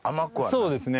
そうですね。